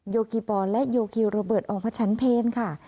โยคีโปและโยคีโรเบิร์ตออกมาชั้นเพนค่ะ